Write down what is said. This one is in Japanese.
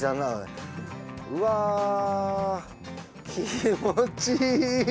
気持ちいい！